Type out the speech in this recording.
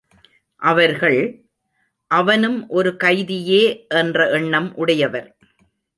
அவர்கள், அவனும் ஒரு கைதியே என்ற எண்ணம் உடையவர்.